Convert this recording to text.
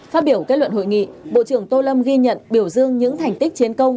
phát biểu kết luận hội nghị bộ trưởng tô lâm ghi nhận biểu dương những thành tích chiến công